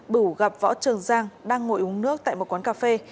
đủ gặp võ trường giang đang ngồi uống nước tại một quán cà phê